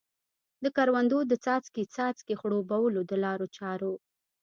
د کروندو د څاڅکې څاڅکي خړوبولو د لارو چارو.